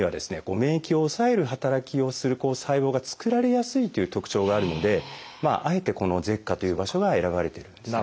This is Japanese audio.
免疫を抑える働きをする細胞が作られやすいという特徴があるのであえてこの舌下という場所が選ばれてるんですね。